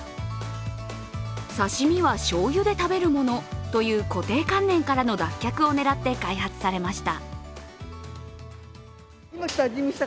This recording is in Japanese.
刺身はしょうゆで食べるものという固定観念からの脱却を狙って開発されました。